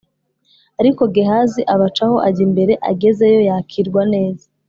Ariko Gehazi abacaho ajya imbere agezeyo yakirwa neza